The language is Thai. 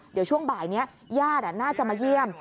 เดี๋ยวช่วงบ่ายนี้ญาติน่าจะมาเยี่ยม